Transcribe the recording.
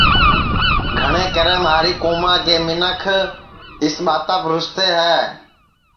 گھٹؔے کرے مہاری کُوماں کے منکھ اِس ٻاتاپ رُستے ہے